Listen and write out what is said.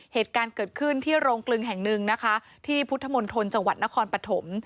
เหตุการณ์เกิดขึ้นที่โรงกลึงแห่งหนึ่งนะคะที่พุทธมณฑลจังหวัดนครปฐม